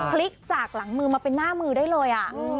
พลิกจากหลังมือมาเป็นหน้ามือได้เลย